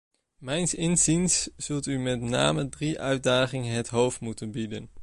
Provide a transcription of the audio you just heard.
Mijns inziens zult u met name drie uitdagingen het hoofd moeten bieden.